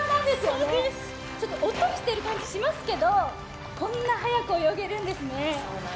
おっとりしている感じしますけれども、こんなに速く泳げるんですね。